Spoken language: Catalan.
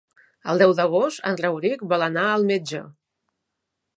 El deu d'agost en Rauric vol anar al metge.